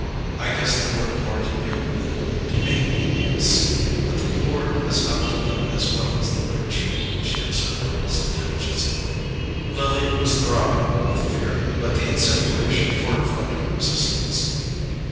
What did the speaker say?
"I guess they're worth more to you than to me, Miss, but the poor has got to live as well as the rich," she observed sententiously. Lily was throbbing with fear, but the insinuation fortified her resistance.